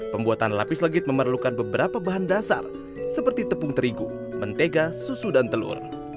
pembuatan lapis legit memerlukan beberapa bahan dasar seperti tepung terigu mentega susu dan telur